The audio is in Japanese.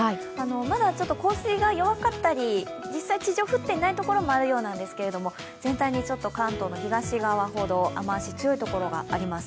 まだ降水が弱かったり実際、地上は降っていない所もあるようなんですけど全体に関東の東側ほど雨足、強い所があります。